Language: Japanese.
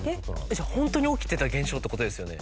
じゃあ本当に起きてた現象って事ですよね？